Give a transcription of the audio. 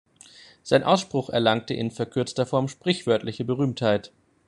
Sein Ausspruch erlangte in verkürzter Form sprichwörtliche Berühmtheit.